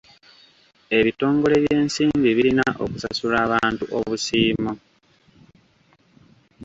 Ebitongole by'ensimbi birina okusasula abantu obusiimo.